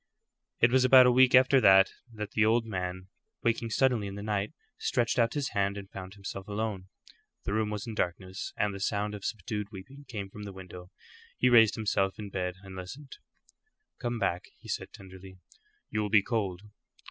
It was about a week after that the old man, waking suddenly in the night, stretched out his hand and found himself alone. The room was in darkness, and the sound of subdued weeping came from the window. He raised himself in bed and listened. "Come back," he said, tenderly. "You will be cold."